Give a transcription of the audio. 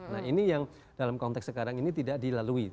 nah ini yang dalam konteks sekarang ini tidak dilalui